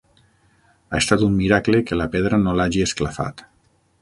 Ha estat un miracle que la pedra no l'hagi esclafat.